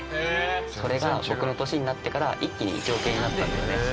それが僕の年になってから一気に１億円になったんだよね。